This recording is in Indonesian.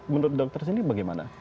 menurut dokter sini bagaimana